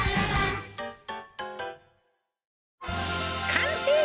かんせい！